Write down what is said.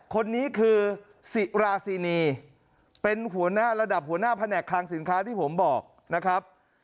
คนนี้คือสิราศีนีเป็นหัวหน้าระดับหัวหน้าแผนกคลังสินค้าที่ผมบอกนะครับ